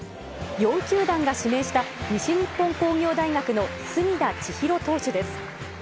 ４球団が指名した西日本工業大学の隅田知一郎投手です。